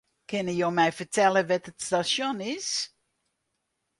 Kinne jo my fertelle wêr't it stasjon is?